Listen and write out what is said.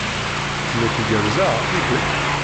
Nekk gerrzeɣ, i kečč?